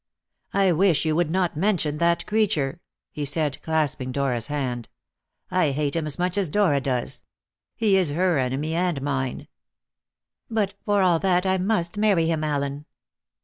"I wish you would not mention that creature," he said, clasping Dora's hand. "I hate him as much as Dora does. He is her enemy and mine." "But, for all that, I must marry him, Allen."